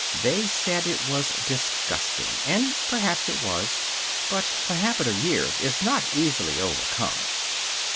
They said it was disgusting and perhaps it was; but the habit of years is not easily overcome.